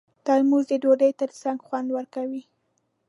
ترموز د ډوډۍ ترڅنګ خوند ورکوي.